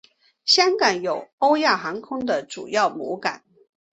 香港有欧亚航空的主要母港。